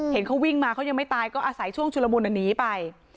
เห็นเขาวิ่งมาเขายังไม่ตายก็อาศัยช่วงชุลมุนหนีไป